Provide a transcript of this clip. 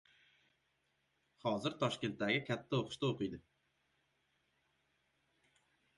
Hozir Toshkentdagi katta o‘qishda o‘qiydi.